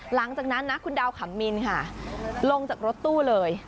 หลังจากนั้นนะคุณดาวขำมินค่ะลงจากรถตู้เลย